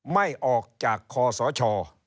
ไม่ออกจากคอสช